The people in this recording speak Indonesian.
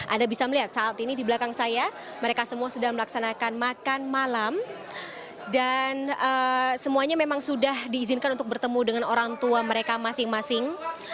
anda bisa melihat saat ini di belakang saya mereka semua sedang melaksanakan makan malam dan semuanya memang sudah diizinkan untuk bertemu dengan orang tua mereka masing masing